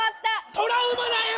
トラウマだよ！